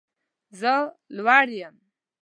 زه لوړ یم